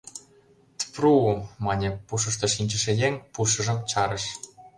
— Тпру-у! — мане пушышто шинчыше еҥ, пушыжым чарыш.